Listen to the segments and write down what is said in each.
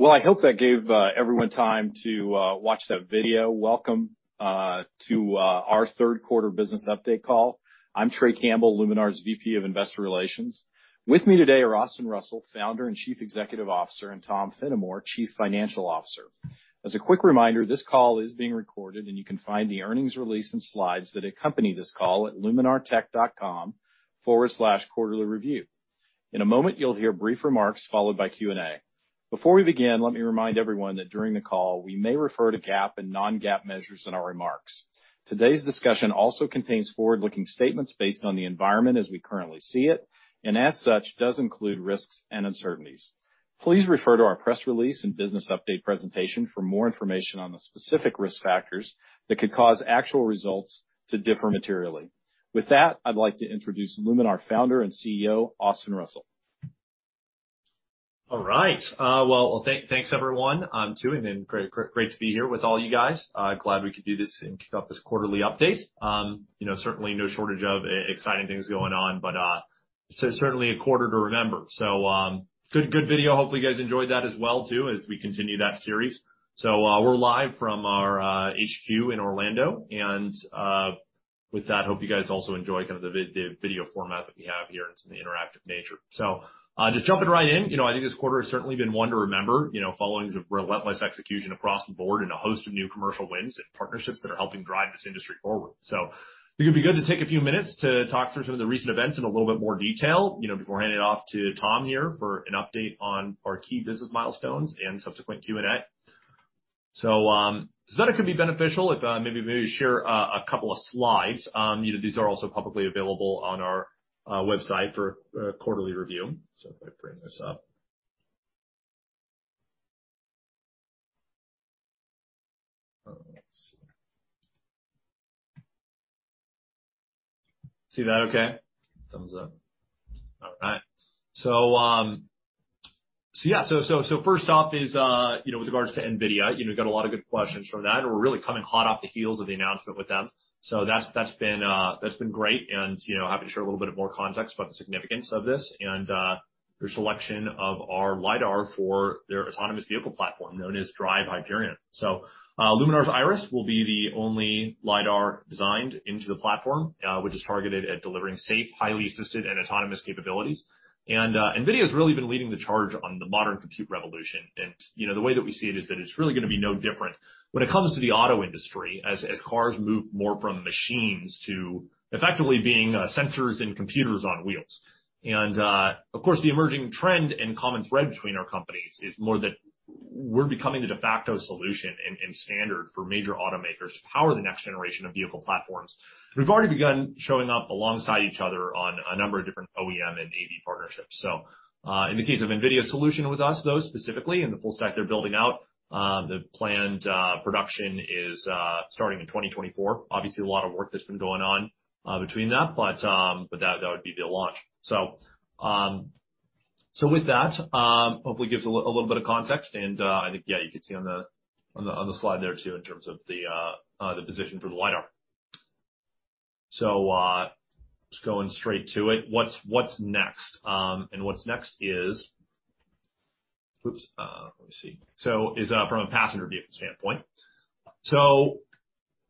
Well, I hope that gave everyone time to watch that video. Welcome to our third quarter business update call. I'm Trey Campbell, Luminar's VP of Investor Relations. With me today are Austin Russell, Founder and Chief Executive Officer, and Tom Fennimore, Chief Financial Officer. As a quick reminder, this call is being recorded, and you can find the earnings release and slides that accompany this call at luminartech.com/quarterlyreview. In a moment, you'll hear brief remarks followed by Q&A. Before we begin, let me remind everyone that during the call we may refer to GAAP and non-GAAP measures in our remarks. Today's discussion also contains forward-looking statements based on the environment as we currently see it, and as such, does include risks and uncertainties. Please refer to our press release and business update presentation for more information on the specific risk factors that could cause actual results to differ materially. With that, I'd like to introduce Luminar founder and CEO, Austin Russell. All right. Well, thanks everyone too and great to be here with all you guys. Glad we could do this and kick off this quarterly update. You know, certainly no shortage of exciting things going on, but certainly a quarter to remember. Good video. Hopefully, you guys enjoyed that as well too as we continue that series. We're live from our HQ in Orlando, and with that, hope you guys also enjoy kind of the video format that we have here and some of the interactive nature. Just jumping right in, you know, I think this quarter has certainly been one to remember, you know, following the relentless execution across the board and a host of new commercial wins and partnerships that are helping drive this industry forward. It'd be good to take a few minutes to talk through some of the recent events in a little bit more detail, you know, before handing it off to Tom here for an update on our key business milestones and subsequent Q&A. I thought it could be beneficial if maybe share a couple of slides. You know, these are also publicly available on our website for quarterly review. If I bring this up. Let's see. See that okay? Thumbs up. All right. Yeah, first off is, you know, with regards to NVIDIA, you know, got a lot of good questions from that. We're really coming hot off the heels of the announcement with them. That's been great, you know, happy to share a little bit more context about the significance of this and their selection of our for their autonomous vehicle platform known as DRIVE Hyperion. Luminar's Iris will be the only LiDAR designed into the platform, which is targeted at delivering safe, highly assisted and autonomous capabilities. NVIDIA has really been leading the charge on the modern compute revolution. You know, the way that we see it is that it's really gonna be no different when it comes to the auto industry as cars move more from machines to effectively being sensors and computers on wheels. Of course, the emerging trend and common thread between our companies is more that we're becoming the de facto solution and standard for major automakers to power the next generation of vehicle platforms. We've already begun showing up alongside each other on a number of different OEM and AV partnerships. In the case of NVIDIA's solution with us, those specifically in the full stack they're building out, the planned production is starting in 2024. Obviously, a lot of work that's been going on between that, but that would be the launch. With that, hopefully gives a little bit of context and I think, yeah, you can see on the slide there too in terms of the position for the LiDAR. Just going straight to it, what's next? What's next is from a passenger vehicle standpoint.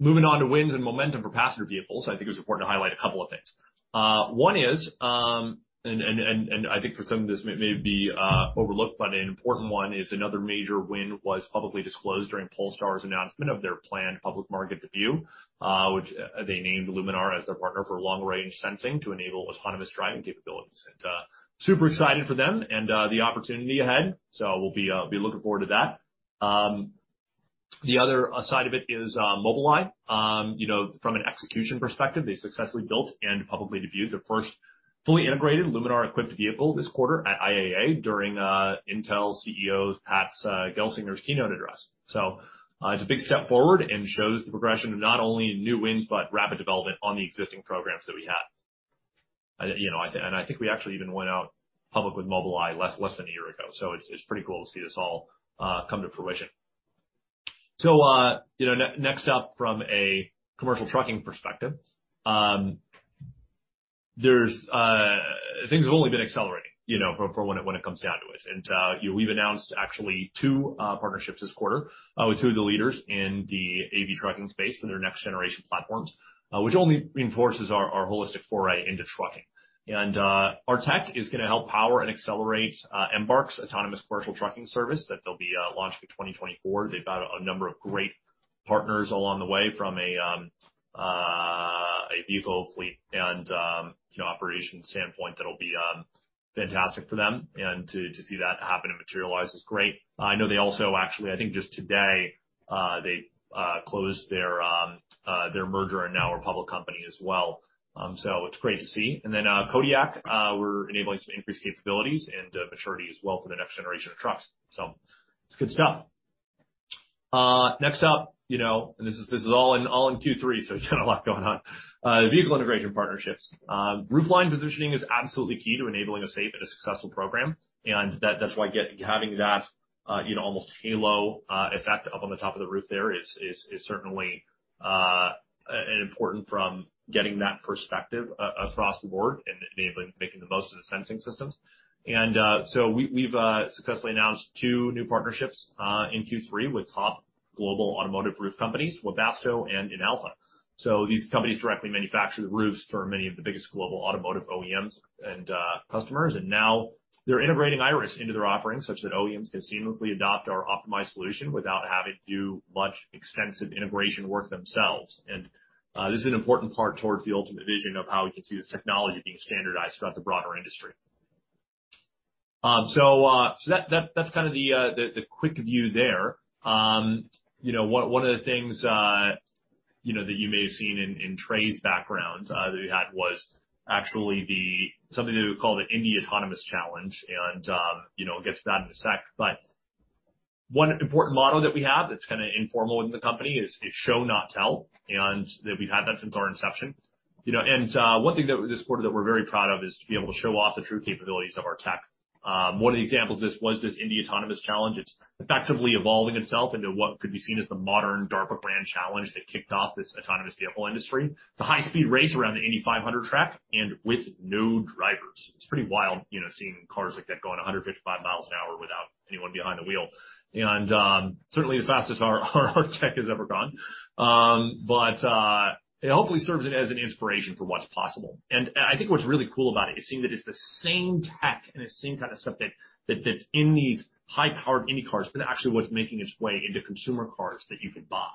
Moving on to wins and momentum for passenger vehicles, I think it's important to highlight a couple of things. One is, and I think for some of this may be overlooked, but an important one is another major win was publicly disclosed during Polestar's announcement of their planned public market debut, which they named Luminar as their partner for long-range sensing to enable autonomous driving capabilities. Super excited for them and the opportunity ahead. We'll be looking forward to that. The other side of it is Mobileye. You know, from an execution perspective, they successfully built and publicly debuted their first fully integrated Luminar-equipped vehicle this quarter at IAA during Intel CEO Pat Gelsinger's keynote address. It's a big step forward and shows the progression of not only new wins, but rapid development on the existing programs that we had. You know, I think we actually even went out public with Mobileye less than a year ago, so it's pretty cool to see this all come to fruition. You know, next up from a commercial trucking perspective, there's things have only been accelerating, you know, for when it comes down to it. We've announced actually two partnerships this quarter with two of the leaders in the AV trucking space for their next generation platforms, which only reinforces our holistic foray into trucking. Our tech is gonna help power and accelerate Embark's autonomous commercial trucking service that they'll be launching in 2024. They've got a number of great partners along the way from a vehicle fleet and, you know, operations standpoint that'll be fantastic for them. To see that happen and materialize is great. I know they also actually, I think just today, they closed their merger and now are a public company as well. It's great to see. Kodiak, we're enabling some increased capabilities and maturity as well for the next generation of trucks. It's good stuff. Next up, you know, this is all in Q3, so we've got a lot going on. The vehicle integration partnerships. Roofline positioning is absolutely key to enabling a safe and a successful program. That's why having that, you know, almost halo effect up on the top of the roof there is certainly an important from getting that perspective across the board and enabling making the most of the sensing systems. We've successfully announced two new partnerships in Q3 with top global automotive roof companies, Webasto and Inalfa. These companies directly manufacture the roofs for many of the biggest global automotive OEMs and customers. Now they're integrating Iris into their offerings such that OEMs can seamlessly adopt our optimized solution without having to do much extensive integration work themselves. This is an important part toward the ultimate vision of how we can see this technology being standardized throughout the broader industry. That's kind of the quick view there. You know, one of the things you know that you may have seen in Trey's background that we had was actually something that we call the Indy Autonomous Challenge, and I'll get to that in a sec. One important motto that we have that's kind of informal within the company is show, not tell, and we've had that since our inception. You know, one thing this quarter that we're very proud of is to be able to show off the true capabilities of our tech. One of the examples of this was this Indy Autonomous Challenge. It's effectively evolving itself into what could be seen as the modern DARPA Grand Challenge that kicked off this autonomous vehicle industry. It's a high-speed race around the Indy 500 track and with no drivers. It's pretty wild, you know, seeing cars like that going 155 miles an hour without anyone behind the wheel. Certainly the fastest our tech has ever gone. It hopefully serves as an inspiration for what's possible. I think what's really cool about it is seeing that it's the same tech and the same kind of subject that's in these high-powered Indy cars, but actually what's making its way into consumer cars that you can buy.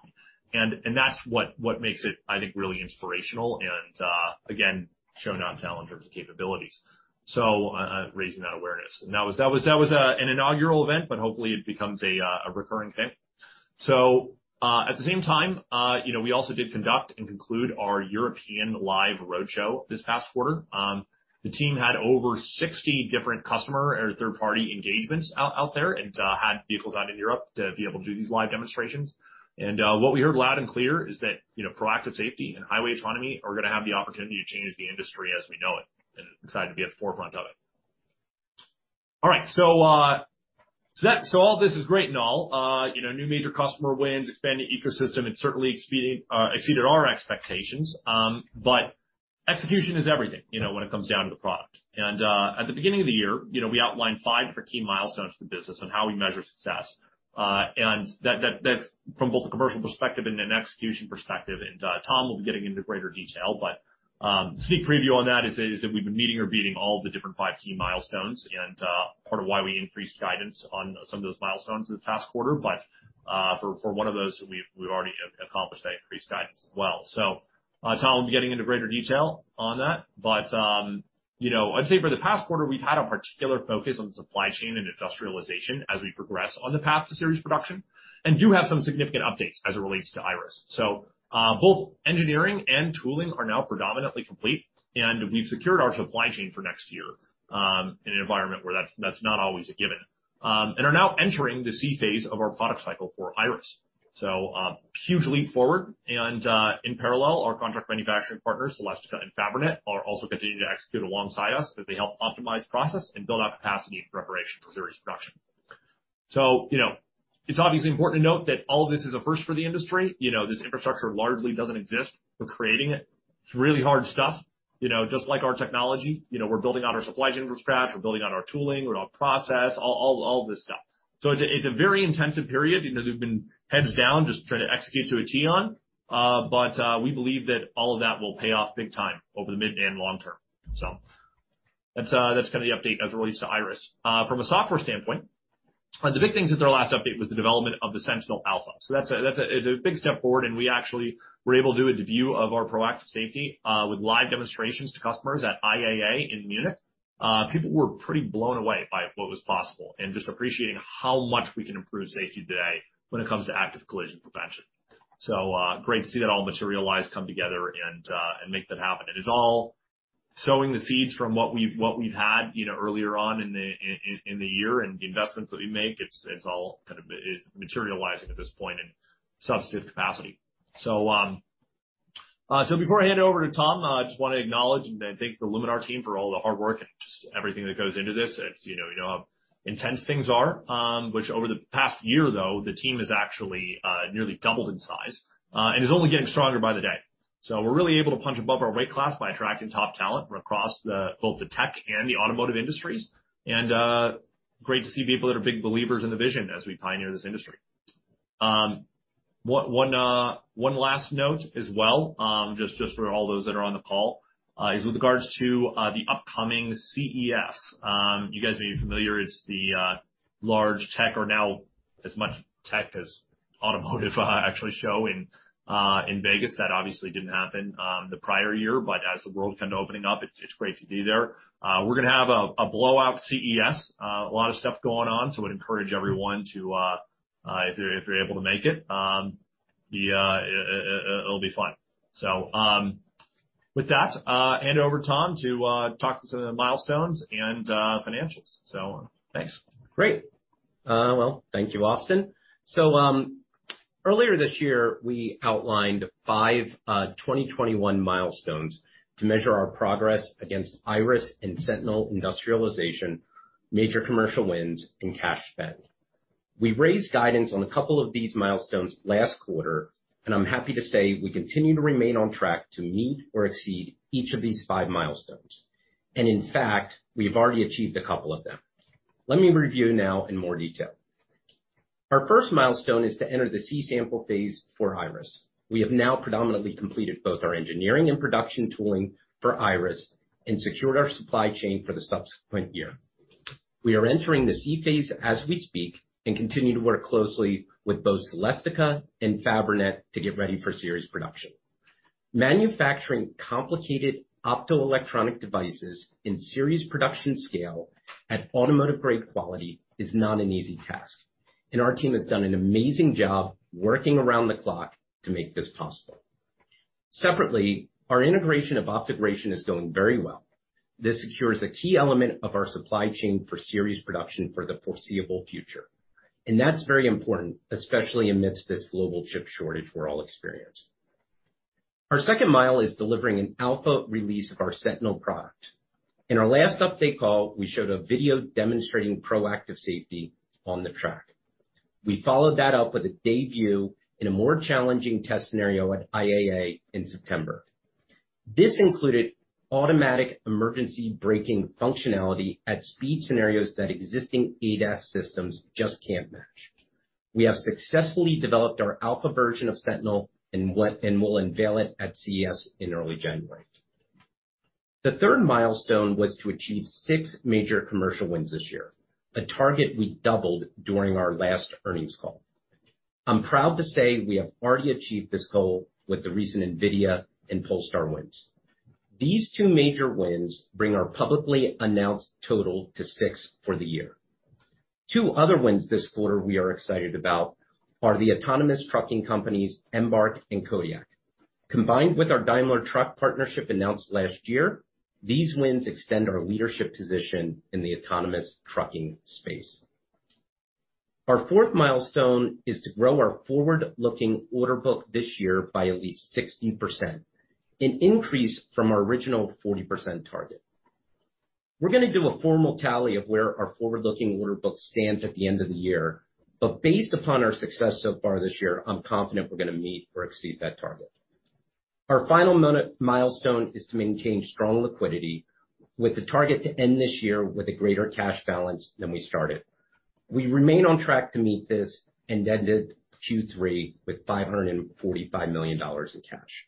That's what makes it, I think, really inspirational and, again, show not tell in terms of capabilities, raising that awareness. That was an inaugural event, but hopefully it becomes a recurring thing. At the same time, you know, we also did conduct and conclude our European live roadshow this past quarter. The team had over 60 different customer or third-party engagements out there and had vehicles out in Europe to be able to do these live demonstrations. What we heard loud and clear is that, you know, proactive safety and highway autonomy are gonna have the opportunity to change the industry as we know it, and we're excited to be at the forefront of it. All right. All this is great and all. You know, new major customer wins, expanded ecosystem, it certainly exceeded our expectations. Execution is everything, you know, when it comes down to the product. At the beginning of the year, you know, we outlined five key milestones for the business on how we measure success. That's from both a commercial perspective and an execution perspective. Tom will be getting into greater detail. Sneak preview on that is that we've been meeting or beating all the different five key milestones, and part of why we increased guidance on some of those milestones this past quarter. For one of those, we've already accomplished that increased guidance as well. Tom will be getting into greater detail on that. You know, I'd say for the past quarter, we've had a particular focus on supply chain and industrialization as we progress on the path to series production and do have some significant updates as it relates to Iris. Both engineering and tooling are now predominantly complete, and we've secured our supply chain for next year, in an environment where that's not always a given, and are now entering the C phase of our product cycle for Iris. Huge leap forward. In parallel, our contract manufacturing partners, Celestica and Fabrinet, are also continuing to execute alongside us as they help optimize process and build out capacity in preparation for series production. You know, it's obviously important to note that all of this is a first for the industry. You know, this infrastructure largely doesn't exist. We're creating it. It's really hard stuff. You know, just like our technology, you know, we're building out our supply chain from scratch. We're building out our tooling, build our process, all this stuff. It's a very intensive period. You know, we've been heads down just trying to execute to a T on. We believe that all of that will pay off big time over the mid and long term. That's kinda the update as it relates to Iris. From a software standpoint, the big things since our last update was the development of the Sentinel Alpha. It's a big step forward, and we actually were able to do a debut of our proactive safety with live demonstrations to customers at IAA in Munich. People were pretty blown away by what was possible and just appreciating how much we can improve safety today when it comes to active collision prevention. Great to see that all materialize, come together and make that happen. It is all sowing the seeds from what we've had, you know, earlier on in the year and the investments that we make. It's all kind of materializing at this point in substantive capacity. Before I hand it over to Tom, I just wanna acknowledge and thank the Luminar team for all the hard work and just everything that goes into this. It's you know how intense things are, which over the past year, though, the team has actually nearly doubled in size and is only getting stronger by the day. We're really able to punch above our weight class by attracting top talent from across both the tech and the automotive industries. Great to see people that are big believers in the vision as we pioneer this industry. One last note as well, just for all those that are on the call, is with regards to the upcoming CES. You guys may be familiar. It's the largest tech show or now as much tech as automotive actually shown in Vegas. That obviously didn't happen the prior year. As the world's kind of opening up, it's great to be there. We're gonna have a blowout CES, a lot of stuff going on, so I would encourage everyone to if you're able to make it'll be fun. With that, hand over to Tom to talk through some of the milestones and financials. Thanks. Great. Well, thank you, Austin. Earlier this year, we outlined five 2021 milestones to measure our progress against Iris and Sentinel industrialization, major commercial wins and cash spend. We raised guidance on a couple of these milestones last quarter, and I'm happy to say we continue to remain on track to meet or exceed each of these five milestones. In fact, we've already achieved a couple of them. Let me review now in more detail. Our first milestone is to enter the C-sample phase for Iris. We have now predominantly completed both our engineering and production tooling for Iris and secured our supply chain for the subsequent year. We are entering the C phase as we speak and continue to work closely with both Celestica and Fabrinet to get ready for series production. Manufacturing complicated optoelectronic devices in series production scale at automotive grade quality is not an easy task, and our team has done an amazing job working around the clock to make this possible. Separately, our integration of Optogration is going very well. This secures a key element of our supply chain for series production for the foreseeable future. That's very important, especially amidst this global chip shortage we're all experiencing. Our second mile is delivering an alpha release of our Sentinel product. In our last update call, we showed a video demonstrating proactive safety on the track. We followed that up with a debut in a more challenging test scenario at IAA in September. This included automatic emergency braking functionality at speed scenarios that existing ADAS systems just can't match. We have successfully developed our alpha version of Sentinel and will unveil it at CES in early January. The third milestone was to achieve six major commercial wins this year, a target we doubled during our last earnings call. I'm proud to say we have already achieved this goal with the recent NVIDIA and Polestar wins. These two major wins bring our publicly announced total to six for the year. Two other wins this quarter we are excited about are the autonomous trucking companies Embark and Kodiak. Combined with our Daimler Truck partnership announced last year, these wins extend our leadership position in the autonomous trucking space. Our fourth milestone is to grow our forward-looking order book this year by at least 60%, an increase from our original 40% target. We're gonna do a formal tally of where our forward-looking order book stands at the end of the year, but based upon our success so far this year, I'm confident we're gonna meet or exceed that target. Our final milestone is to maintain strong liquidity with the target to end this year with a greater cash balance than we started. We remain on track to meet this and ended Q3 with $545 million in cash.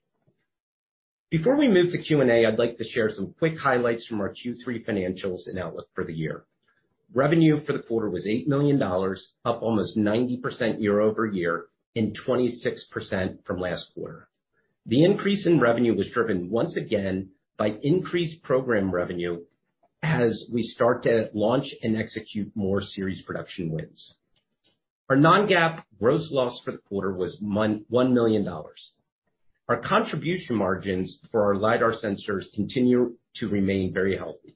Before we move to Q&A, I'd like to share some quick highlights from our Q3 financials and outlook for the year. Revenue for the quarter was $8 million, up almost 90% year-over-year and 26% from last quarter. The increase in revenue was driven once again by increased program revenue as we start to launch and execute more series production wins. Our non-GAAP gross loss for the quarter was $1 million. Our contribution margins for our LiDAR sensors continue to remain very healthy.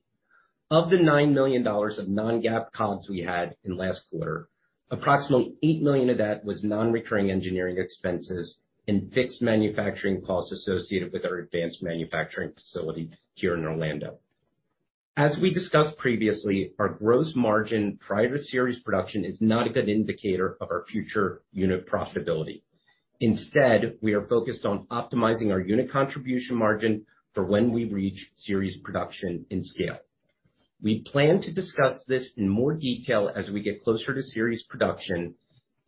Of the $9 million of non-GAAP COGS we had in last quarter, approximately $8 million of that was non-recurring engineering expenses and fixed manufacturing costs associated with our advanced manufacturing facility here in Orlando. As we discussed previously, our gross margin prior to series production is not a good indicator of our future unit profitability. Instead, we are focused on optimizing our unit contribution margin for when we reach series production in scale. We plan to discuss this in more detail as we get closer to series production,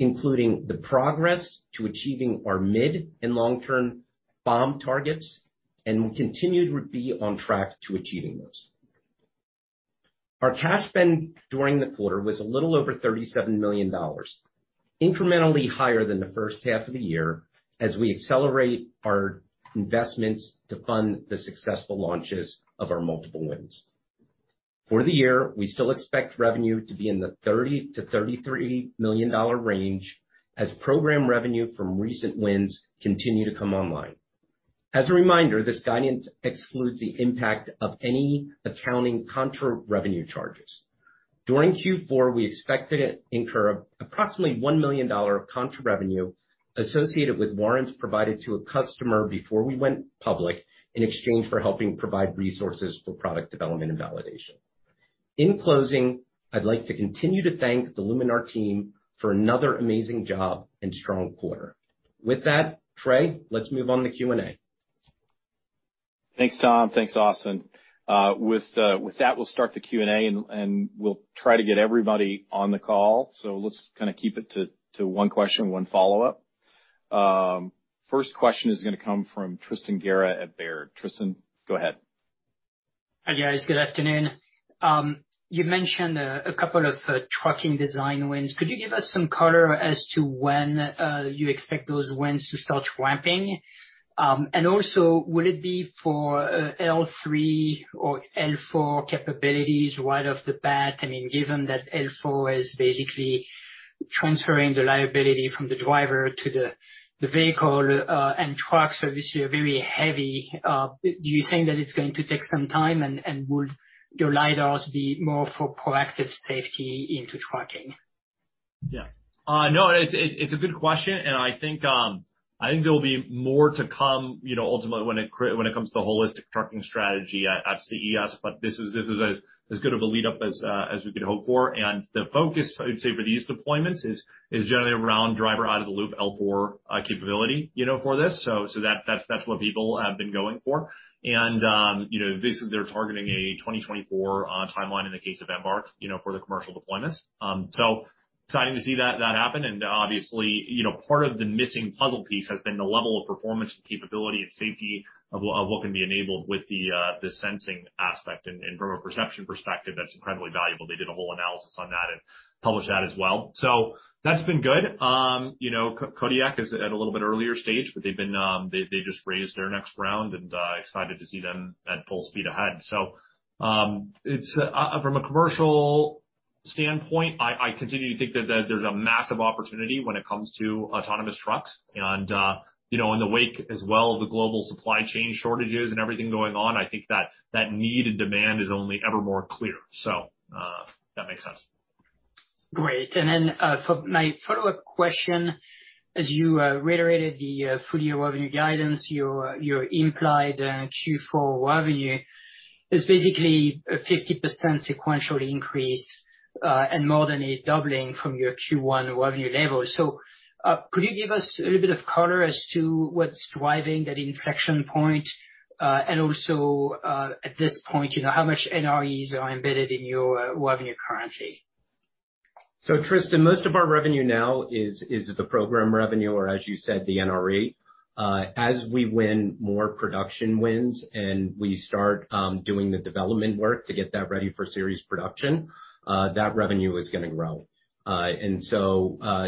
including the progress to achieving our mid and long-term BOM targets and we continue to be on track to achieving those. Our cash spend during the quarter was a little over $37 million, incrementally higher than the first half of the year as we accelerate our investments to fund the successful launches of our multiple wins. For the year, we still expect revenue to be in the $30 million-$33 million range as program revenue from recent wins continue to come online. As a reminder, this guidance excludes the impact of any accounting contra revenue charges. During Q4, we expect to incur approximately $1 million of contra revenue associated with warrants provided to a customer before we went public, in exchange for helping provide resources for product development and validation. In closing, I'd like to continue to thank the Luminar team for another amazing job and strong quarter. With that, Trey, let's move on to Q&A. Thanks, Tom. Thanks, Austin. With that, we'll start the Q&A and we'll try to get everybody on the call. Let's kinda keep it to one question, one follow-up. First question is gonna come from Tristan Gerra at Baird. Tristan, go ahead. Hi, guys. Good afternoon. You mentioned a couple of trucking design wins. Could you give us some color as to when you expect those wins to start ramping? Will it be for L3 or L4 capabilities right off the bat? I mean, given that L4 is basically transferring the liability from the driver to the vehicle, and trucks obviously are very heavy, do you think that it's going to take some time, and would your LiDARs be more for proactive safety into trucking? No, it's a good question, and I think there'll be more to come, you know, ultimately when it comes to holistic trucking strategy at CES, but this is as good of a lead-up as we could hope for. The focus, I would say for these deployments is generally around driver out-of-the-loop L4 capability, you know, for this. That's what people have been going for. You know, basically, they're targeting a 2024 timeline in the case of Embark, you know, for the commercial deployments. Exciting to see that happen. Obviously, you know, part of the missing puzzle piece has been the level of performance and capability and safety of what can be enabled with the sensing aspect. From a perception perspective, that's incredibly valuable. They did a whole analysis on that and published that as well. That's been good. You know, Kodiak is at a little bit earlier stage, but they just raised their next round and excited to see them at full speed ahead. From a commercial standpoint, I continue to think that there's a massive opportunity when it comes to autonomous trucks and you know, in the wake as well of the global supply chain shortages and everything going on, I think that need and demand is only ever more clear. If that makes sense. Great. Then, for my follow-up question, as you reiterated the full year revenue guidance, your implied Q4 revenue is basically a 50% sequential increase, and more than a doubling from your Q1 revenue level. Could you give us a little bit of color as to what's driving that inflection point? Also, at this point, you know, how much NREs are embedded in your revenue currently? Tristan, most of our revenue now is the program revenue or, as you said, the NRE. As we win more production wins and we start doing the development work to get that ready for series production, that revenue is gonna grow.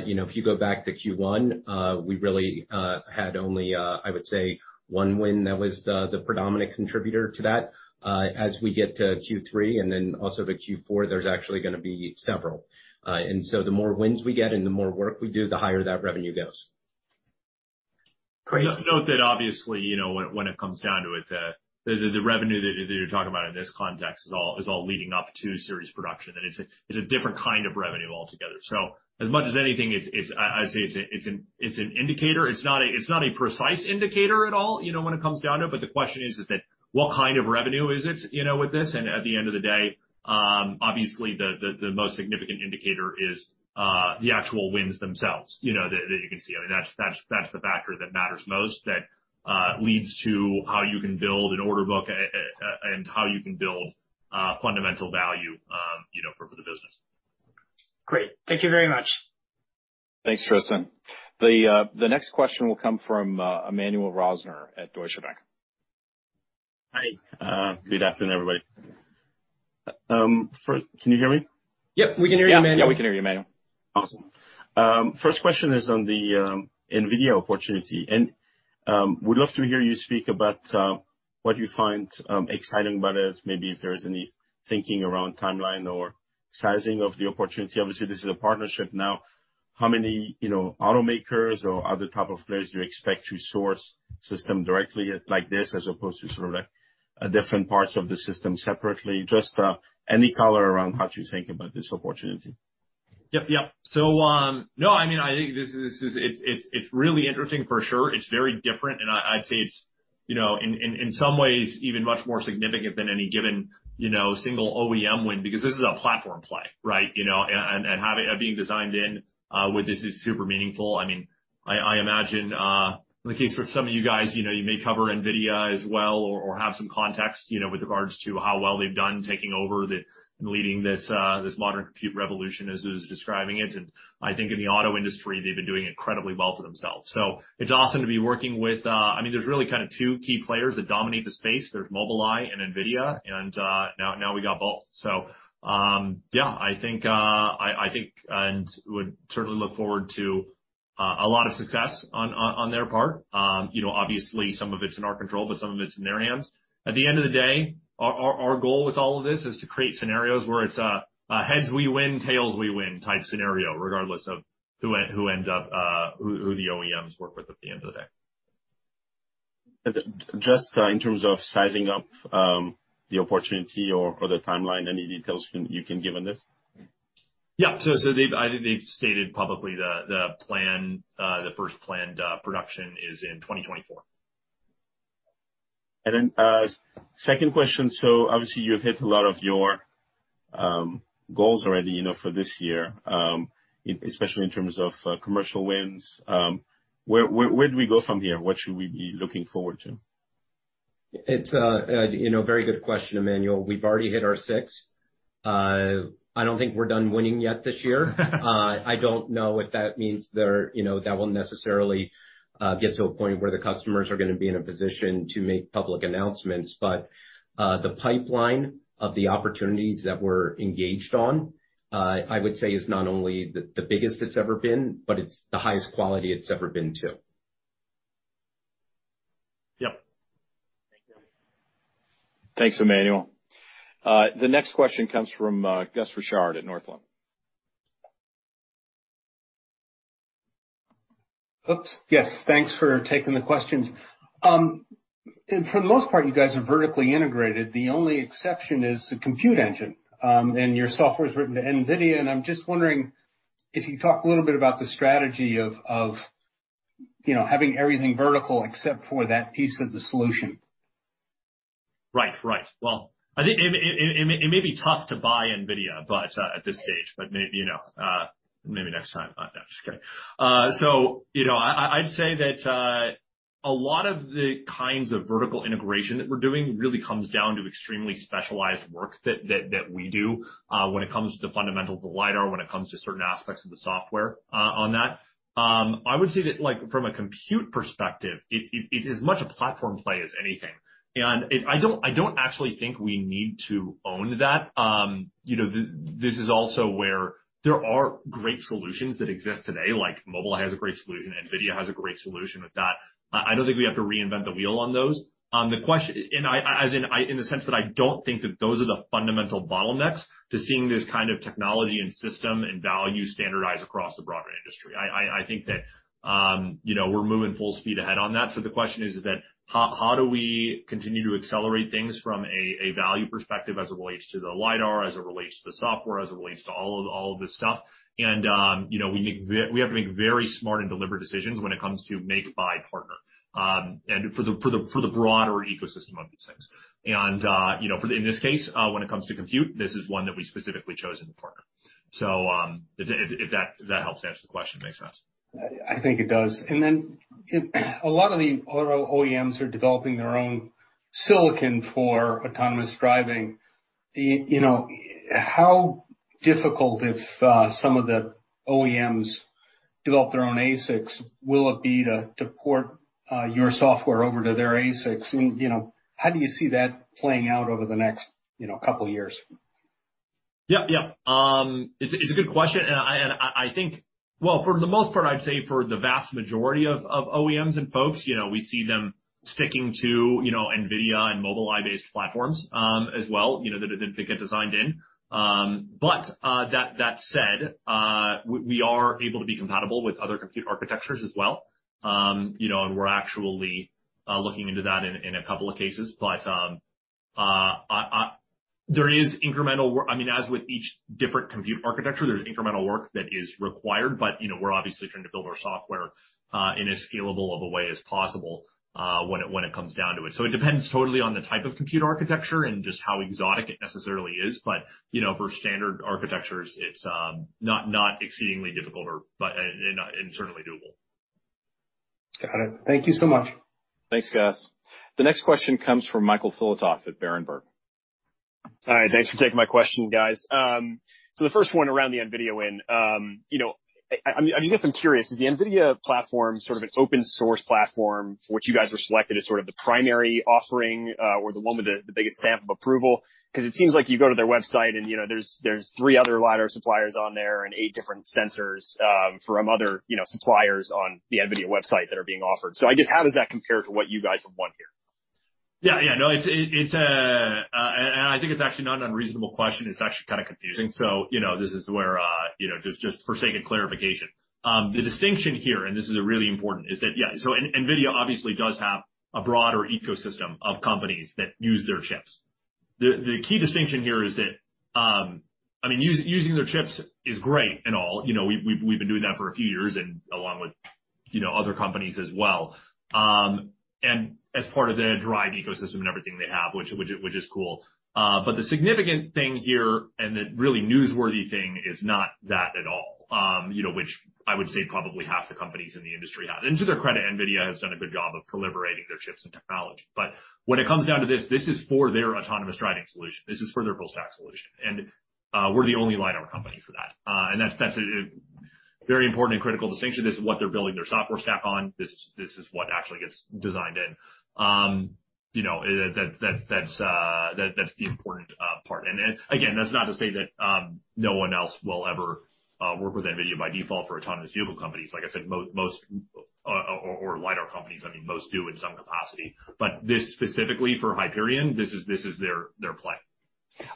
You know, if you go back to Q1, we really had only, I would say one win that was the predominant contributor to that. As we get to Q3 and then also to Q4, there's actually gonna be several. The more wins we get and the more work we do, the higher that revenue goes. Great. Note that obviously, you know, when it comes down to it, the revenue that you're talking about in this context is all leading up to series production, and it's a different kind of revenue altogether. As much as anything, I'd say it's an indicator. It's not a precise indicator at all, you know, when it comes down to it. The question is that what kind of revenue is it, you know, with this? At the end of the day, obviously the most significant indicator is the actual wins themselves, you know, that you can see. I mean, that's the factor that matters most that leads to how you can build an order book and how you can build fundamental value, you know, for the business. Great. Thank you very much. Thanks, Tristan. The next question will come from Emmanuel Rosner at Deutsche Bank. Hi. Good afternoon, everybody. Can you hear me? Yep, we can hear you, Emmanuel. Yeah, we can hear you, Emmanuel. Awesome. First question is on the NVIDIA opportunity. Would love to hear you speak about what you find exciting about it. Maybe if there's any thinking around timeline or sizing of the opportunity. Obviously, this is a partnership now. How many, you know, automakers or other type of players do you expect to source system directly like this as opposed to sort of like different parts of the system separately? Just any color around how to think about this opportunity. Yep. No, I mean, I think this is, it's really interesting for sure. It's very different, and I'd say it's, you know, in some ways even much more significant than any given, you know, single OEM win because this is a platform play, right? You know, and having been designed in with this is super meaningful. I mean, I imagine in the case for some of you guys, you know, you may cover NVIDIA as well or have some context, you know, with regards to how well they've done taking over the leading this modern compute revolution as it is describing it. I think in the auto industry, they've been doing incredibly well for themselves. It's awesome to be working with. I mean, there's really kind of two key players that dominate the space. There's Mobileye and NVIDIA, and now we got both. Yeah, I think and would certainly look forward to a lot of success on their part. You know, obviously some of it's in our control, but some of it's in their hands. At the end of the day, our goal with all of this is to create scenarios where it's a heads we win, tails we win type scenario, regardless of who ends up who the OEMs work with at the end of the day. Just in terms of sizing up the opportunity or the timeline, any details you can give on this? Yeah, I think they've stated publicly the plan, the first planned production is in 2024. Second question. Obviously, you've hit a lot of your goals already, you know, for this year, especially in terms of commercial wins. Where do we go from here? What should we be looking forward to? It's a you know, very good question, Emmanuel. We've already hit our six. I don't think we're done winning yet this year. I don't know if that means there, you know, that we'll necessarily get to a point where the customers are gonna be in a position to make public announcements. The pipeline of the opportunities that we're engaged on, I would say is not only the biggest it's ever been, but it's the highest quality it's ever been too. Yep. Thank you. Thanks, Emmanuel. The next question comes from Gus Richard at Northland. Oops. Yes, thanks for taking the questions. For the most part, you guys are vertically integrated. The only exception is the compute engine, and your software is written to NVIDIA. I'm just wondering if you talk a little bit about the strategy of, you know, having everything vertical except for that piece of the solution. Right. Right. Well, I think it may be tough to buy NVIDIA, but at this stage, but maybe, you know, maybe next time. No, I'm just kidding. You know, I'd say that a lot of the kinds of vertical integration that we're doing really comes down to extremely specialized work that we do when it comes to fundamentals of the LiDAR, when it comes to certain aspects of the software on that. I would say that, like, from a compute perspective, it's as much a platform play as anything. I don't actually think we need to own that. You know, this is also where there are great solutions that exist today, like Mobileye has a great solution, NVIDIA has a great solution with that. I don't think we have to reinvent the wheel on those. I, as in the sense that I don't think that those are the fundamental bottlenecks to seeing this kind of technology and system and value standardized across the broader industry. I think that, you know, we're moving full speed ahead on that. The question is that how do we continue to accelerate things from a value perspective as it relates to the LiDAR, as it relates to the software, as it relates to all of this stuff? You know, we have to make very smart and deliberate decisions when it comes to make, buy, partner, and for the broader ecosystem of these things. You know, in this case, when it comes to compute, this is one that we specifically chose as a partner. If that helps answer the question, makes sense. I think it does. If a lot of the auto OEMs are developing their own silicon for autonomous driving, you know, how difficult, if some of the OEMs develop their own ASICs, will it be to port your software over to their ASICs? You know, how do you see that playing out over the next, you know, couple years? It's a good question, and I think well, for the most part, I'd say for the vast majority of OEMs and folks, you know, we see them sticking to, you know, NVIDIA and Mobileye-based platforms as well, you know, that have been designed in. But that said, we are able to be compatible with other compute architectures as well. You know, and we're actually looking into that in a couple of cases. But there is incremental work. I mean, as with each different compute architecture, there's incremental work that is required, but you know, we're obviously trying to build our software in as scalable of a way as possible when it comes down to it. It depends totally on the type of compute architecture and just how exotic it necessarily is. You know, for standard architectures, it's not exceedingly difficult, and certainly doable. Got it. Thank you so much. Thanks, Gus. The next question comes from Michael Filatov at Berenberg. All right, thanks for taking my question, guys. The first one around the NVIDIA win. You know, I guess I'm curious, is the NVIDIA platform sort of an open source platform for which you guys were selected as sort of the primary offering, or the one with the biggest stamp of approval? 'Cause it seems like you go to their website and, you know, there's three other LiDAR suppliers on there and eight different sensors from other, you know, suppliers on the NVIDIA website that are being offered. I guess how does that compare to what you guys have won here? Yeah. Yeah. No, it's actually not an unreasonable question. It's actually kind of confusing. You know, this is where, you know, just for the sake of clarification. The distinction here, and this is really important, is that, yeah, so NVIDIA obviously does have a broader ecosystem of companies that use their chips. The key distinction here is that, I mean, using their chips is great and all. You know, we've been doing that for a few years and along with, you know, other companies as well, and as part of their DRIVE ecosystem and everything they have, which is cool. The significant thing here and the really newsworthy thing is not that at all, you know, which I would say probably half the companies in the industry have. To their credit, NVIDIA has done a good job of deliberating their chips and technology. But when it comes down to this is for their autonomous driving solution. This is for their full stack solution. We're the only LiDAR company for that. And that's a very important and critical distinction. This is what they're building their software stack on. This is what actually gets designed in. You know, that's the important part. Again, that's not to say that no one else will ever work with NVIDIA by default for autonomous vehicle companies. Like I said, most LiDAR companies, I mean, most do in some capacity. But this specifically for Hyperion, this is their play.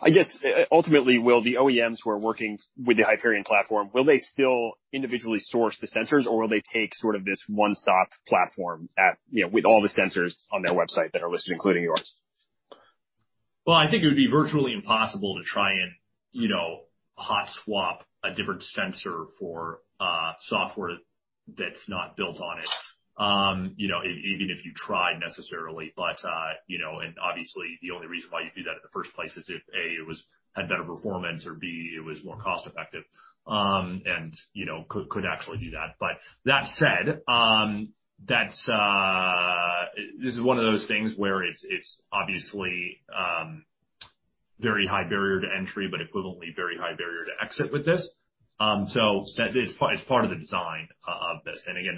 I guess, ultimately, will the OEMs who are working with the Hyperion platform, will they still individually source the sensors, or will they take sort of this one-stop platform at, you know, with all the sensors on their website that are listed, including yours? Well, I think it would be virtually impossible to try and, you know, hot swap a different sensor for software that's not built on it, you know, even if you try necessarily. You know, and obviously, the only reason why you'd do that in the first place is if A, it had better performance, or B, it was more cost-effective, and you know, could actually do that. But that said, this is one of those things where it's obviously very high barrier to entry, but equivalently very high barrier to exit with this. It's part of the design of this. Again,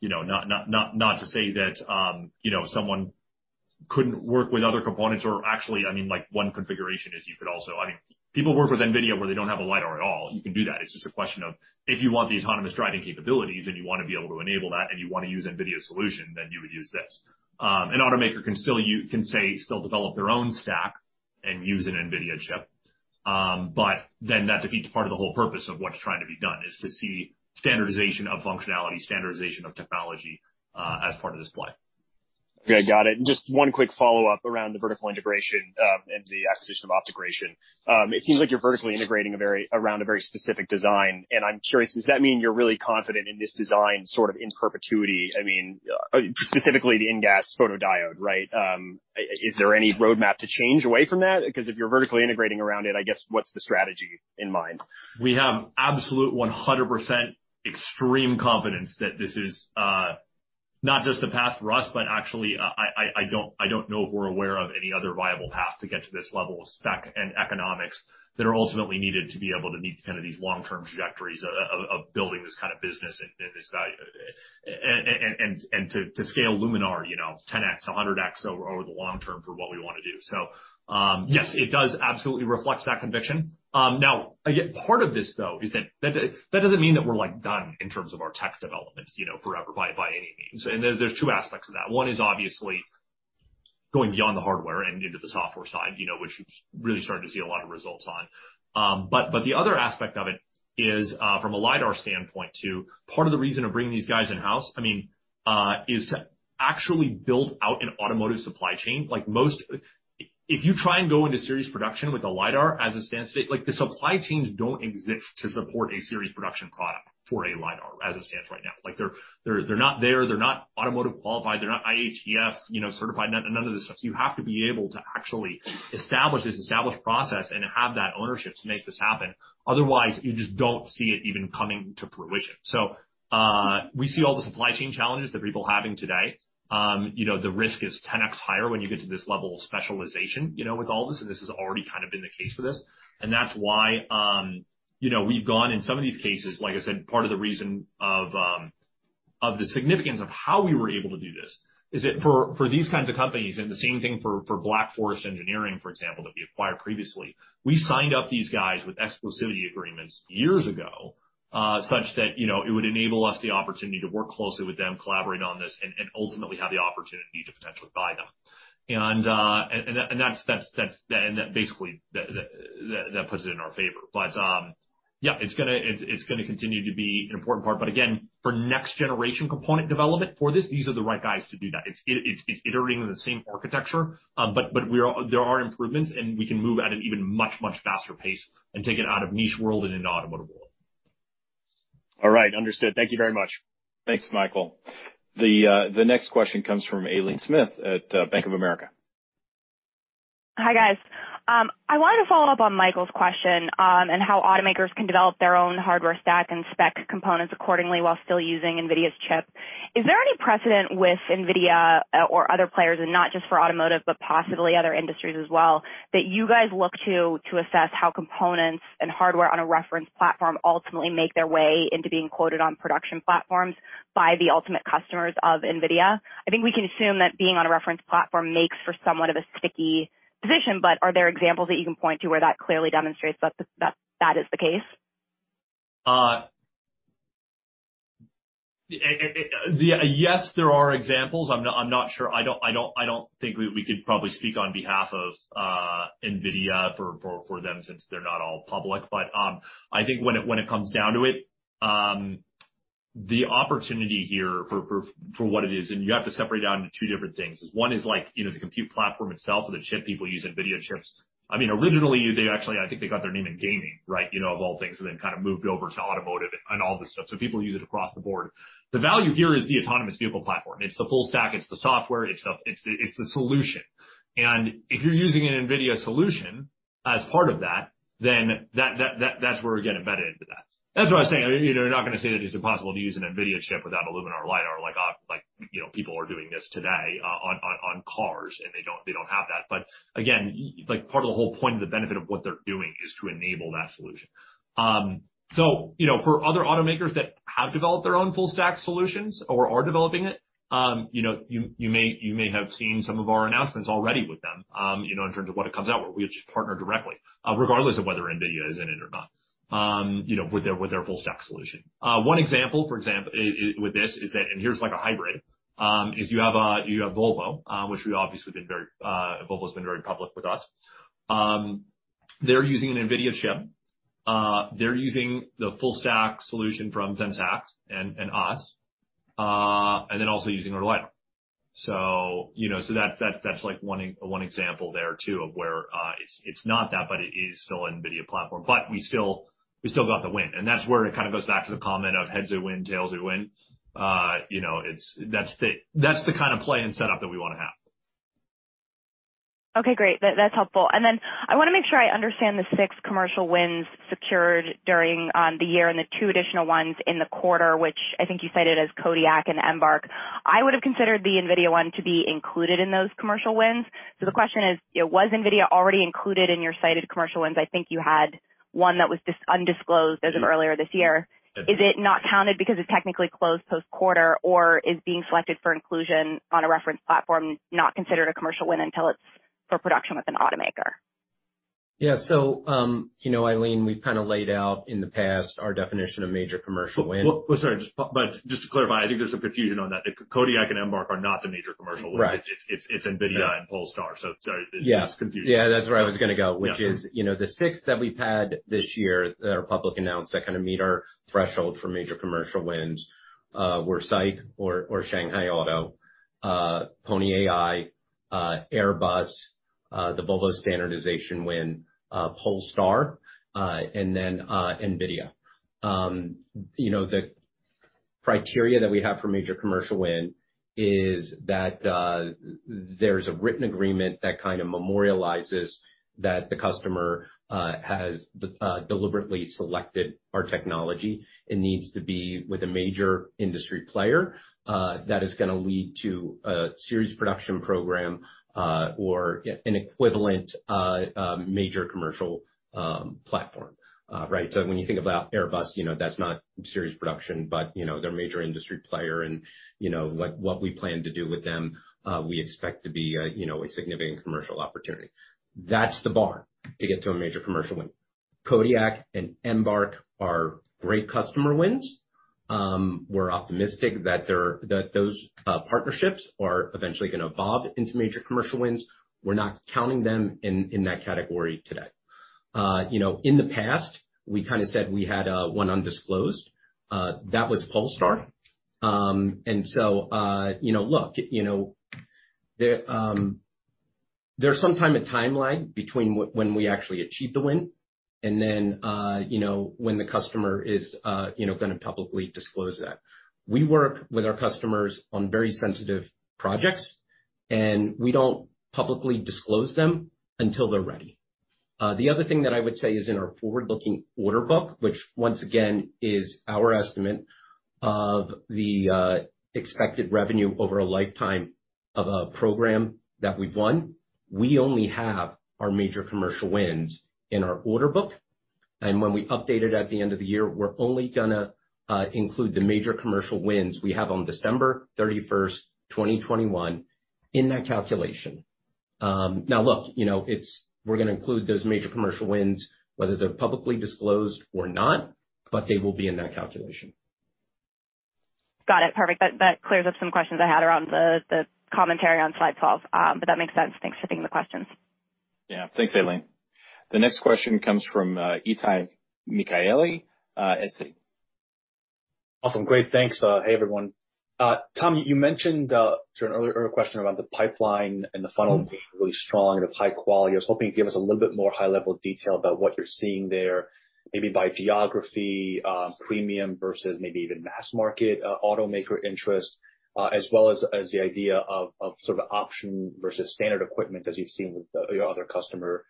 you know, not to say that, you know, someone couldn't work with other components or actually, I mean, like one configuration is you could also. I mean, people work with NVIDIA where they don't have a LiDAR at all. You can do that. It's just a question of if you want the autonomous driving capabilities and you wanna be able to enable that and you wanna use NVIDIA's solution, then you would use this. An automaker can still develop their own stack and use an NVIDIA chip. But then that defeats part of the whole purpose of what's trying to be done, is to see standardization of functionality, standardization of technology, as part of the supply. Okay. Got it. Just one quick follow-up around the vertical integration and the acquisition of Optogration. It seems like you're vertically integrating around a very specific design, and I'm curious, does that mean you're really confident in this design sort of in perpetuity? I mean, specifically the InGaAs photodiode, right? Is there any roadmap to change away from that? Because if you're vertically integrating around it, I guess what's the strategy in mind? We have absolute 100% extreme confidence that this is not just the path for us, but actually, I don't know if we're aware of any other viable path to get to this level of spec and economics that are ultimately needed to be able to meet kind of these long-term trajectories of building this kind of business and this value. And to scale Luminar, you know, 10x, 100x over the long term for what we wanna do. Yes, it does absolutely reflect that conviction. Now, again, part of this, though, is that that doesn't mean that we're, like, done in terms of our tech development, you know, forever by any means. There, there's two aspects of that. One is obviously going beyond the hardware and into the software side, you know, which we've really started to see a lot of results on. But the other aspect of it is, from a LiDAR standpoint too, part of the reason of bringing these guys in-house, I mean, is to actually build out an automotive supply chain. Like most. If you try and go into series production with a LiDAR as it stands today, like the supply chains don't exist to support a series production product for a LiDAR as it stands right now. Like, they're not there. They're not automotive qualified. They're not IATF, you know, certified, none of this stuff. So, you have to be able to actually establish this established process and have that ownership to make this happen. Otherwise, you just don't see it even coming to fruition. We see all the supply chain challenges that people are having today. You know, the risk is 10x higher when you get to this level of specialization, you know, with all this, and this has already kind of been the case for this. That's why, you know, we've gone in some of these cases, like I said, part of the reason of the significance of how we were able to do this is that for these kinds of companies, and the same thing for Black Forest Engineering, for example, that we acquired previously, we signed up these guys with exclusivity agreements years ago, such that, you know, it would enable us the opportunity to work closely with them, collaborate on this, and ultimately have the opportunity to potentially buy them. That's basically that puts it in our favor. Yeah, it's gonna continue to be an important part. Again, for next generation component development for this, these are the right guys to do that. It's iterating the same architecture, but there are improvements, and we can move at an even much faster pace and take it out of niche world and into automotive world. All right. Understood. Thank you very much. Thanks, Michael. The next question comes from Aileen Smith at Bank of America. Hi, guys. I wanted to follow up on Michael's question, and how automakers can develop their own hardware stack and spec components accordingly while still using NVIDIA's chip. Is there any precedent with NVIDIA, or other players, and not just for automotive, but possibly other industries as well, that you guys look to assess how components and hardware on a reference platform ultimately make their way into being quoted on production platforms by the ultimate customers of NVIDIA? I think we can assume that being on a reference platform makes for somewhat of a sticky position, but are there examples that you can point to where that clearly demonstrates that is the case? Yes, there are examples. I'm not sure. I don't think we could probably speak on behalf of NVIDIA for them since they're not all public. I think when it comes down to it, the opportunity here for what it is, and you have to separate it out into two different things, is one is like, you know, the compute platform itself or the chip people use, NVIDIA chips. I mean, originally, they actually, I think they got their name in gaming, right, you know, of all things, and then kind of moved over to automotive and all this stuff. People use it across the board. The value here is the autonomous vehicle platform. It's the full stack, it's the solution. If you're using an NVIDIA solution as part of that, then that's where we're getting embedded into that. That's what I was saying. You know, you're not gonna say that it's impossible to use an NVIDIA chip without a Luminar LiDAR like, you know, people are doing this today on cars, and they don't have that. But again, like part of the whole point of the benefit of what they're doing is to enable that solution. So, you know, for other automakers that have developed their own full stack solutions or are developing it, you know, you may have seen some of our announcements already with them, you know, in terms of what it comes out with. We partner directly, regardless of whether NVIDIA is in it or not, you know, with their full stack solution. One example with this is that, and here's like a hybrid, is you have Volvo, which we've obviously been very, Volvo's been very public with us. They're using an NVIDIA chip. They're using the full stack solution from Zenseact and us, and then also using our LiDAR. You know, that's like one example there too of where, it's not that, but it is still NVIDIA platform. We still got the win. That's where it kind of goes back to the comment of heads we win, tails we win. You know, that's the kind of play and setup that we wanna have. Okay, great. That's helpful. I wanna make sure I understand the six commercial wins secured during the year and the two additional ones in the quarter, which I think you cited as Kodiak and Embark. I would have considered the NVIDIA one to be included in those commercial wins. The question is, you know, was NVIDIA already included in your cited commercial wins? I think you had one that was undisclosed as of earlier this year. Is it not counted because it technically closed post-quarter, or is being selected for inclusion on a reference platform not considered a commercial win until it's for production with an automaker? Yeah. You know, Eileen, we've kind of laid out in the past our definition of major commercial win. Well, sorry, but just to clarify, I think there's some confusion on that. Kodiak and Embark are not the major commercial wins. Right. It's NVIDIA and Polestar. Sorry, it's confusing. Yeah. Yeah, that's where I was gonna go, which is, you know, the six that we've had this year that are public announced that kind of meet our threshold for major commercial wins were SAIC or Shanghai Auto, Pony.ai, Airbus, the Volvo standardization win, Polestar, and then NVIDIA. You know, the criteria that we have for major commercial win is that there's a written agreement that kind of memorializes that the customer has deliberately selected our technology and needs to be with a major industry player that is gonna lead to a series production program or an equivalent major commercial platform. Right? When you think about Airbus, that's not series production, but they're a major industry player and what we plan to do with them, we expect to be a significant commercial opportunity. That's the bar to get to a major commercial win. Kodiak and Embark are great customer wins. We're optimistic that those partnerships are eventually gonna evolve into major commercial wins. We're not counting them in that category today. In the past, we kinda said we had one undisclosed. That was Polestar. There's sometimes a timeline between when we actually achieve the win and then when the customer is gonna publicly disclose that. We work with our customers on very sensitive projects, and we don't publicly disclose them until they're ready. The other thing that I would say is in our forward-looking order book, which once again, is our estimate of the expected revenue over a lifetime of a program that we've won, we only have our major commercial wins in our order book. When we update it at the end of the year, we're only gonna include the major commercial wins we have on December 31st, 2021 in that calculation. Now look, you know, we're gonna include those major commercial wins, whether they're publicly disclosed or not, but they will be in that calculation. Got it. Perfect. That clears up some questions I had around the commentary on slide 12. That makes sense. Thanks for taking the questions. Yeah. Thanks, Aileen. The next question comes from Itay Michaeli at Citi. Awesome. Great. Thanks. Hey, everyone. Tom, you mentioned to an earlier question around the pipeline and the funnel being really strong and of high quality. I was hoping you'd give us a little bit more high-level detail about what you're seeing there, maybe by geography, premium versus maybe even mass market, automaker interest, as well as the idea of sort of option versus standard equipment as you've seen with your other customer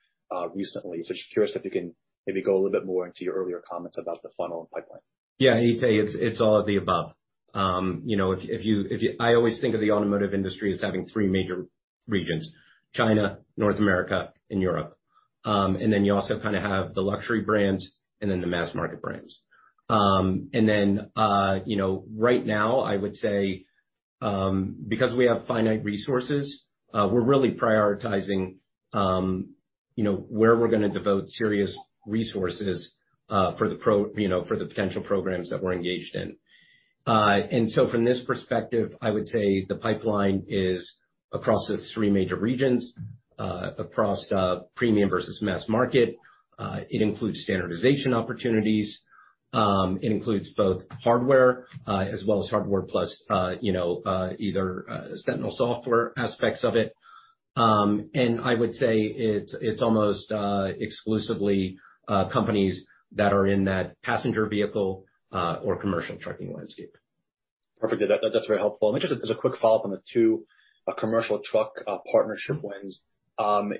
recently. Just curious if you can maybe go a little bit more into your earlier comments about the funnel and pipeline. Yeah, Itay, it's all of the above. You know, I always think of the automotive industry as having three major regions: China, North America, and Europe. You also kinda have the luxury brands and then the mass-market brands. You know, right now, I would say, because we have finite resources, we're really prioritizing, you know, where we're gonna devote serious resources, you know, for the potential programs that we're engaged in. From this perspective, I would say the pipeline is across those three major regions, across premium versus mass market. It includes standardization opportunities. It includes both hardware as well as hardware plus, you know, Sentinel software aspects of it. I would say it's almost exclusively companies that are in that passenger vehicle or commercial trucking landscape. Perfect. That's very helpful. Just as a quick follow-up on the two commercial truck partnership wins,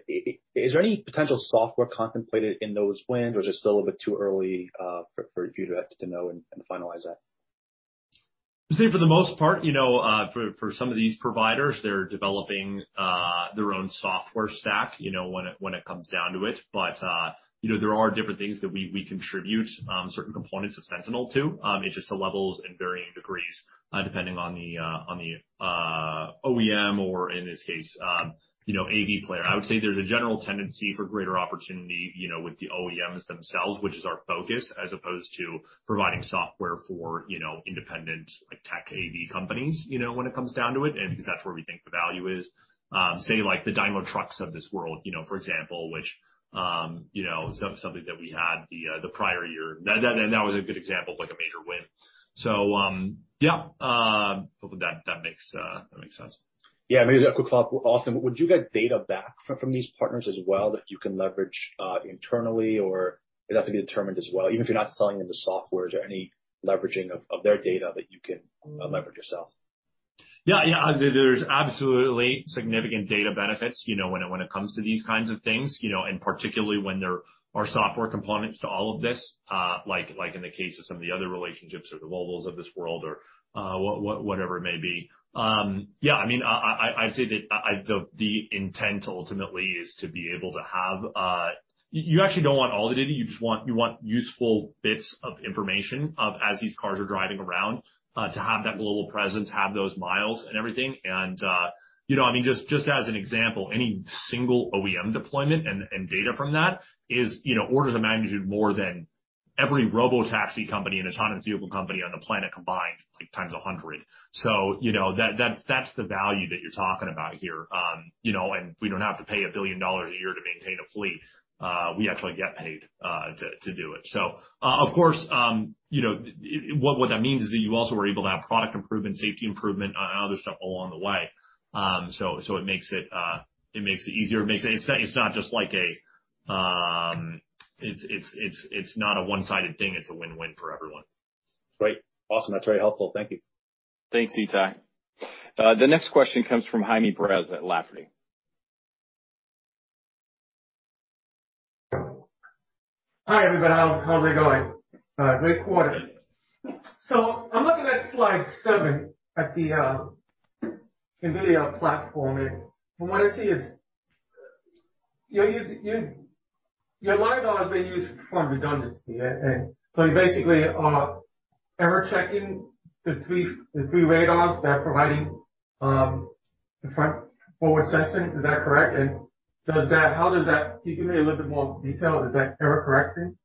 is there any potential software contemplated in those wins or just still a little bit too early for you to have to know and finalize that? I'd say for the most part, you know, for some of these providers, they're developing their own software stack, you know, when it comes down to it. You know, there are different things that we contribute, certain components of Sentinel to. It's just the levels and varying degrees, depending on the OEM or in this case, you know, AV player. I would say there's a general tendency for greater opportunity, you know, with the OEMs themselves, which is our focus, as opposed to providing software for, you know, independent, like, tech AV companies, you know, when it comes down to it, and because that's where we think the value is. Say, like the Daimler Truck of this world, you know, for example, which you know is something that we had the prior year. That was a good example of like a major win. Yeah. Hopefully that makes sense. Yeah. Maybe a quick follow-up. Austin, would you get data back from these partners as well that you can leverage internally or it has to be determined as well? Even if you're not selling them the software, is there any leveraging of their data that you can leverage yourself? Yeah. Yeah. There's absolutely significant data benefits, you know, when it comes to these kinds of things, you know, and particularly when there are software components to all of this, like in the case of some of the other relationships or the ordeers of this world or whatever it may be. Yeah, I mean, I'd say that the intent ultimately is to be able to have. You actually don't want all the data. You just want useful bits of information as these cars are driving around to have that global presence, have those miles and everything. You know, I mean, just as an example, any single OEM deployment and data from that is, you know, orders of magnitude more than Every robotaxi company and autonomous vehicle company on the planet combined, like times a hundred. That's the value that you're talking about here. We don't have to pay $1 billion a year to maintain a fleet. We actually get paid to do it. Of course, what that means is that you also are able to have product improvement, safety improvement, and other stuff along the way. It makes it easier. It's not just like a one-sided thing. It's a win-win for everyone. Great. Awesome. That's very helpful. Thank you. Thanks, Itay. The next question comes from Jaime Perez at Lafferty. Hi, everybody. How's it going? Great quarter. I'm looking at slide seven at the NVIDIA platform, and from what I see is your LiDAR is being used for redundancy. And so, you're basically error-checking the three radars that are providing the front forward sensing. Is that correct? And how does that. Can you give me a little bit more detail, is that error correcting?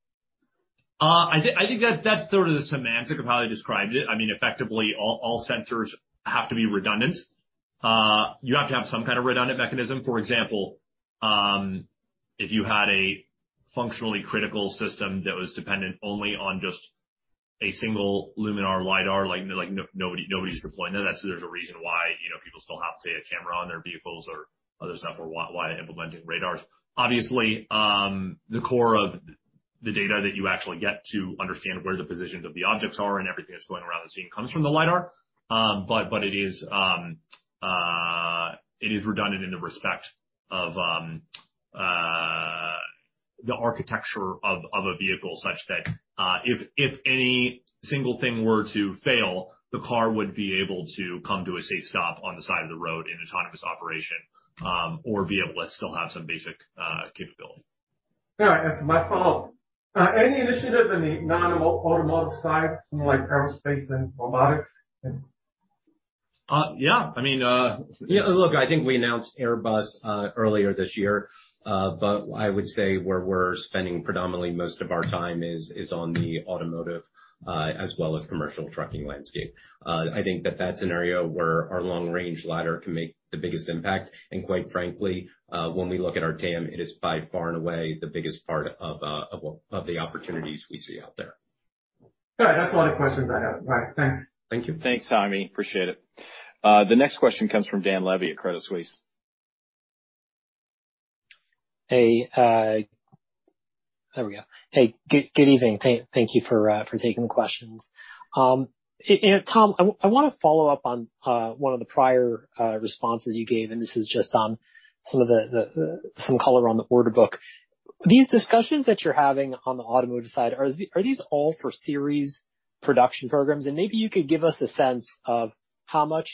I think that's sort of the semantic of how I described it. I mean, effectively all sensors have to be redundant. You have to have some kind of redundant mechanism. For example, if you had a functionally critical system that was dependent only on just a single Luminar LiDAR, like, nobody's deploying that. That's. There's a reason why, you know, people still have to have a camera on their vehicles or other stuff for why they're implementing radars. Obviously, the core of the data that you actually get to understand where the positions of the objects are and everything that's going around the scene comes from the LiDAR. It is redundant in the respect of the architecture of a vehicle such that if any single thing were to fail, the car would be able to come to a safe stop on the side of the road in autonomous operation or be able to still have some basic capability. All right. That's my follow-up. Any initiative in the non-automotive side, something like aerospace and robotics and Yeah, I mean, yeah, look, I think we announced Airbus earlier this year. I would say where we're spending predominantly most of our time is on the automotive as well as commercial trucking landscape. I think that that's an area where our long-range LiDAR can make the biggest impact. Quite frankly, when we look at our TAM, it is by far and away the biggest part of the opportunities we see out there. All right. That's all the questions I have. Bye. Thanks. Thank you. Thanks, Jaime. Appreciate it. The next question comes from Dan Levy at Credit Suisse. Hey, there we go. Hey, good evening. Thank you for taking the questions. Tom, I wanna follow up on one of the prior responses you gave, and this is just on some color on the order book. These discussions that you're having on the automotive side, are these all for series production programs? Maybe you could give us a sense of how much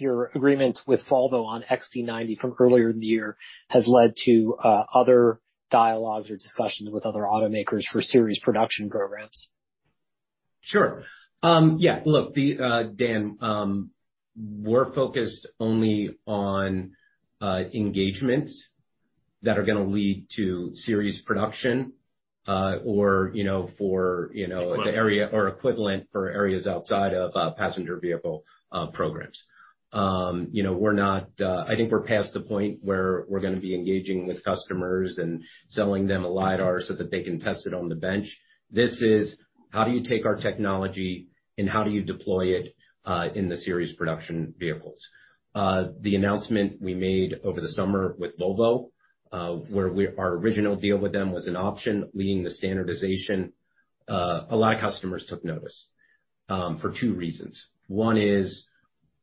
your agreement with Volvo on XC90 from earlier in the year has led to other dialogues or discussions with other automakers for series production programs. Sure. Yeah, look, Dan, we're focused only on engagements that are gonna lead to series production, or, you know, for, you know, the area or equivalent for areas outside of passenger vehicle programs. You know, I think we're past the point where we're gonna be engaging with customers and selling them a LiDAR so that they can test it on the bench. This is how do you take our technology and how do you deploy it in the series production vehicles. The announcement we made over the summer with Volvo, where our original deal with them was an option leading the standardization. A lot of customers took notice for two reasons. One is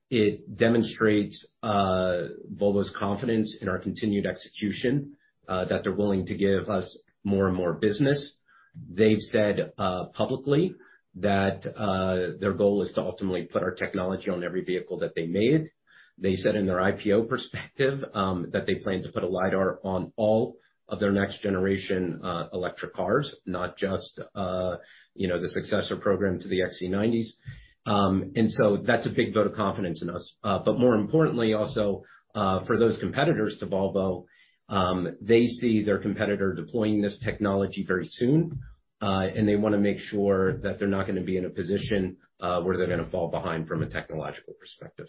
it demonstrates Volvo's confidence in our continued execution that they're willing to give us more and more business. They've said publicly that their goal is to ultimately put our technology on every vehicle that they made. They said in their IPO prospectus that they plan to put a LiDAR on all of their next generation electric cars, not just you know the successor program to the XC90s. That's a big vote of confidence in us. More importantly also for those competitors to Volvo they see their competitor deploying this technology very soon and they wanna make sure that they're not gonna be in a position where they're gonna fall behind from a technological perspective.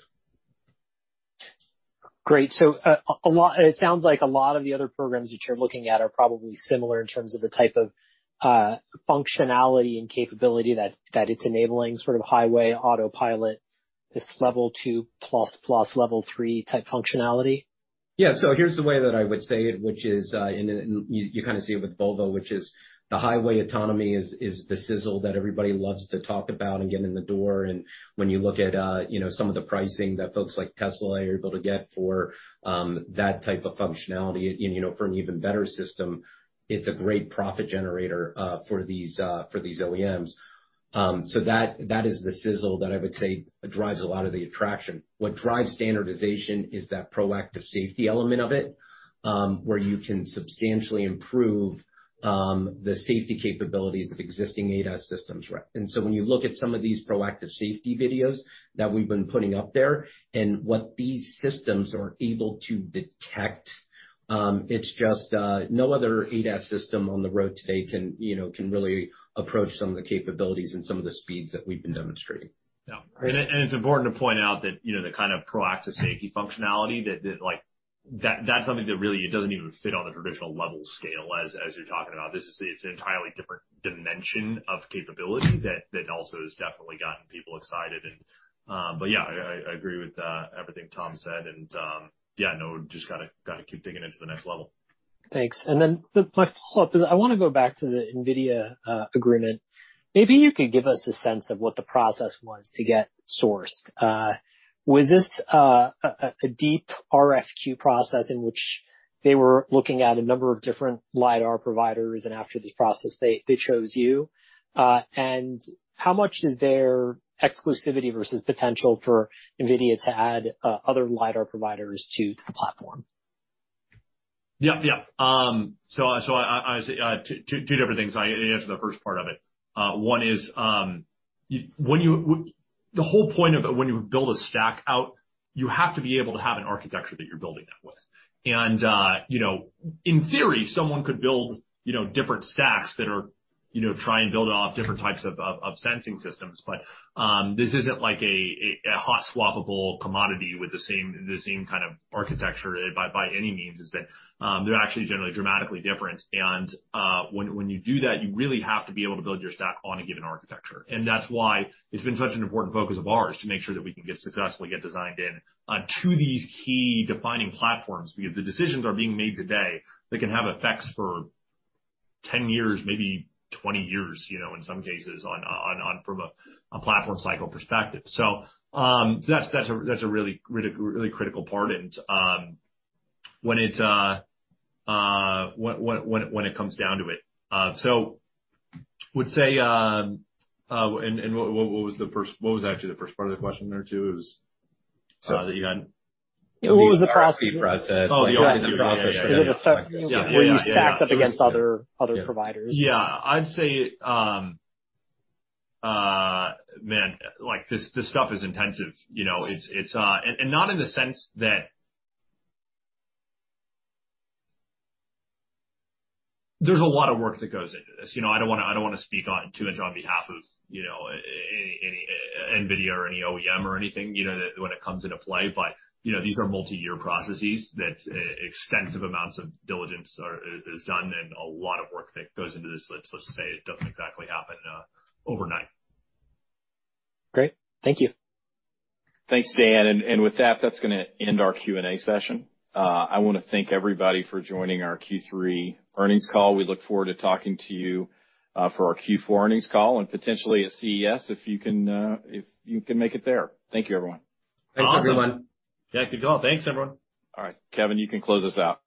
Great. It sounds like a lot of the other programs which you're looking at are probably similar in terms of the type of functionality and capability that it's enabling, sort of highway autopilot, this level two plus level three type functionality. Yeah. Here's the way that I would say it, which is, and you kinda see it with Volvo, which is the highway autonomy is the sizzle that everybody loves to talk about and get in the door. When you look at, you know, some of the pricing that folks like Tesla are able to get for that type of functionality, and, you know, from an even better system, it's a great profit generator for these OEMs. That is the sizzle that I would say drives a lot of the attraction. What drives standardization is that proactive safety element of it, where you can substantially improve the safety capabilities of existing ADAS systems, right? When you look at some of these proactive safety videos that we've been putting up there and what these systems are able to detect, it's just no other ADAS system on the road today can, you know, really approach some of the capabilities and some of the speeds that we've been demonstrating. Yeah. It's important to point out that, you know, the kind of proactive safety functionality that's something that really it doesn't even fit on the traditional level scale as you're talking about. This is it's an entirely different dimension of capability that also has definitely gotten people excited. Yeah, I agree with everything Tom said and yeah, no, just gotta keep digging into the next level. Thanks. My follow-up is I wanna go back to the NVIDIA agreement. Maybe you could give us a sense of what the process was to get sourced. Was this a deep RFQ process in which they were looking at a number of different LiDAR providers, and after this process, they chose you? How much is their exclusivity versus potential for NVIDIA to add other LiDAR providers to the platform? I see two different things. I answer the first part of it. One is the whole point of it when you build a stack out, you have to be able to have an architecture that you're building that with. You know, in theory, someone could build, you know, different stacks that are, you know, try and build off different types of sensing systems. This isn't like a hot swappable commodity with the same kind of architecture by any means in that they're actually generally dramatically different. When you do that, you really have to be able to build your stack on a given architecture. That's why it's been such an important focus of ours to make sure that we can get successfully designed in to these key defining platforms, because the decisions are being made today that can have effects for 10 years, maybe 20 years, you know, in some cases on a platform cycle perspective. That's a really critical part. When it comes down to it, I would say, and what was actually the first part of the question there too? It was Sorry. That you had- What was the process? The RFP process. Oh, the RFP process. Yeah, yeah. Were you stacked up against other providers? Yeah. I'd say, man, like, this stuff is intensive. You know, it's not in the sense that there's a lot of work that goes into this. You know, I don't wanna speak too much on behalf of, you know, any NVIDIA or any OEM or anything, you know, that when it comes into play. You know, these are multi-year processes that extensive amounts of diligence is done and a lot of work that goes into this, let's just say it doesn't exactly happen overnight. Great. Thank you. Thanks, Dan. With that's gonna end our Q&A session. I wanna thank everybody for joining our Q3 earnings call. We look forward to talking to you for our Q4 earnings call and potentially at CES, if you can make it there. Thank you, everyone. Thanks, everyone. Awesome. Yeah, good call. Thanks, everyone. All right. Kevin, you can close us out.